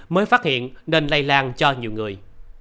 mới phát hiện nên lây lan cho nhiều người